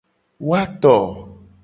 Woato.